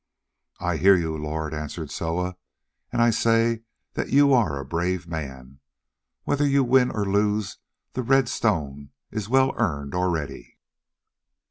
"I hear you, Lord," answered Soa, "and I say that you are a brave man. Whether you win or lose, the red stone is well earned already."